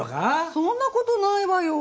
そんなことないわよ。